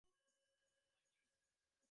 সবাই ঠিক আছে?